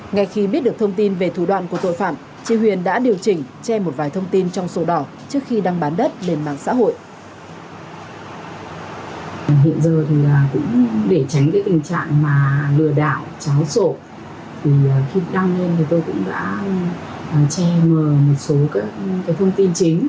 ngay khi biết được thông tin về thủ đoạn của tội phạm chị huyền đã điều chỉnh che một vài thông tin trong sổ đỏ trước khi đăng bán đất lên mạng xã hội